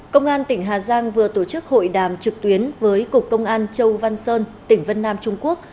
công an tỉnh hà giang vừa tổ chức hội đàm trực tuyến với cục công an châu văn sơn tỉnh vân nam trung quốc